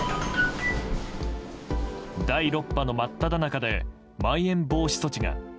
第６波の真っただ中でまん延防止措置が。